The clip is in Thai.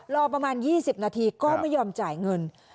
รอประมาณ๒๐นาทีก็ไม่ยอมจ่ายเงิน